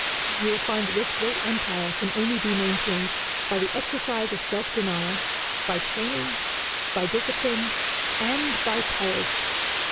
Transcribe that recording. You will find that this great Empire can only be maintained by the exercise of self denial, by training, by discipline, and by courage."